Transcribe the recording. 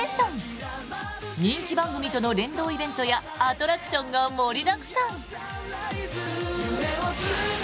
人気番組との連動イベントやアトラクションが盛りだくさん！